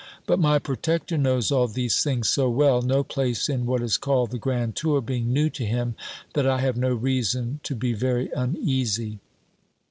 But my protector knows all these things so well (no place in what is called the grand tour, being new to him), that I have no reason to be very uneasy.